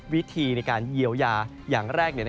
วิธีในการเยียวยาอย่างแรก